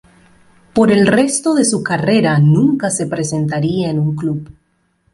Por el resto de su carrera nunca se presentaría en un club.